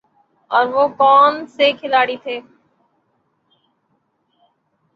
اور وہ کون سے کھلاڑی تھے ۔